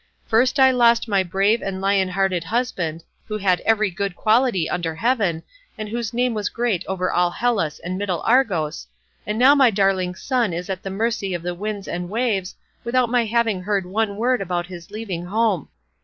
First I lost my brave and lion hearted husband, who had every good quality under heaven, and whose name was great over all Hellas and middle Argos, and now my darling son is at the mercy of the winds and waves, without my having heard one word about his leaving home.